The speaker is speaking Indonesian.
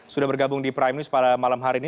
sudah bergabung di prime news pada malam hari ini